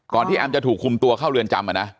ที่แอมจะถูกคุมตัวเข้าเรือนจำ